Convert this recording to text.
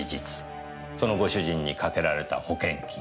そのご主人にかけられた保険金。